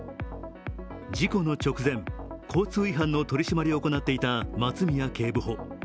事故の直前、交通違反の取り締まりを行っていた松宮警部補。